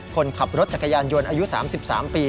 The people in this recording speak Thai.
คนขับรถจักรยานยนต์อายุ๓๓ปี